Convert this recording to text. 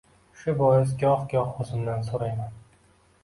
Shu bois goh-goh o‘zimdan so‘rayman: